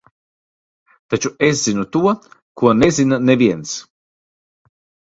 Taču es zinu to, ko nezina neviens.